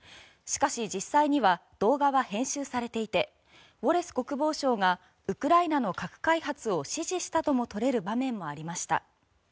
しかし、実際には動画は編集されていてウォレス国防相がウクライナの核開発を支持したとも取れる場面もありました。